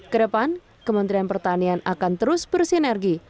kedepan kementerian pertanian akan terus bersinergi